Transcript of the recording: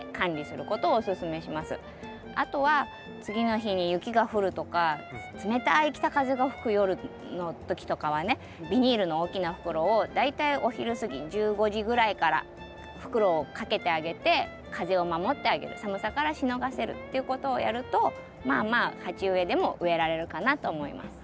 あとは次の日に雪が降るとか冷たい北風が吹く夜の時とかはねビニールの大きな袋を大体お昼過ぎ１５時ぐらいから袋をかけてあげて風を守ってあげる寒さからしのがせるっていうことをやるとまあまあ鉢植えでも植えられるかなと思います。